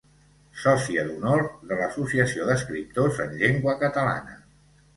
Sòcia d'Honor de l'Associació d'Escriptors en Llengua Catalana.